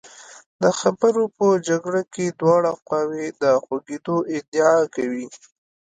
د خبرو په جګړه کې دواړه خواوې د خوږېدو ادعا کوي.